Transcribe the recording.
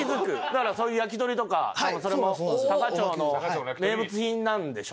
だからそういう焼き鳥とかそれも多可町の名物品なんでしょ？